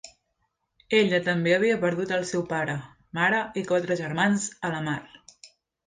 Ella també havia perdut al seu pare, mare i quatre germans a la mar.